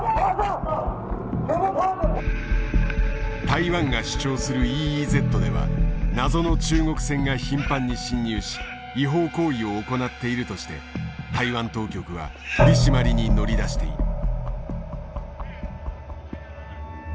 台湾が主張するＥＥＺでは謎の中国船が頻繁に侵入し違法行為を行っているとして台湾当局は取締りに乗り出している。